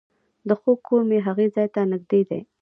د خور کور مې هغې ځای ته نژدې دی